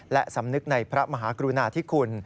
และสำนึกในพระมหากรุณาธิคุณ